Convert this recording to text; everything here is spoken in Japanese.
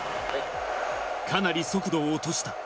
かなり速度を落とした。